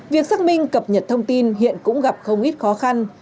việc xác minh cập nhật thông tin hiện cũng gặp không ít khó khăn